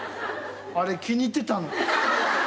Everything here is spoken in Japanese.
あれ気に入ってたの。